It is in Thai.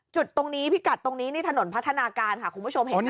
จุดตรงนี้พิกัดตรงนี้นี่ถนนพัฒนาการค่ะคุณผู้ชมเห็นไหม